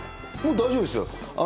大丈夫ですよ。